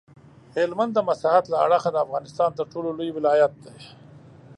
هلمند د مساحت له اړخه د افغانستان تر ټولو لوی ولایت دی.